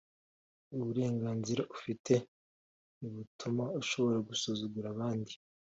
Uburenganzira ufite ntibutuma ushobora gusuzugura abandi